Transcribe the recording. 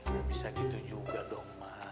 nggak bisa gitu juga dong ma